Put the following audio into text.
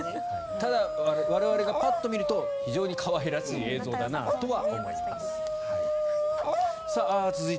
ただ、我々がパッと見ると非常に可愛らしい映像だなとは思いました。